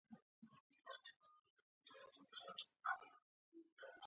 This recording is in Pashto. د پښتو ژبې د تدریس لپاره معیاري کتابونه نه لیکل کېږي.